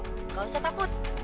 nggak usah takut